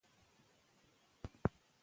کرونا د پیسو په لټه کې د فساد فرصت برابر کړی.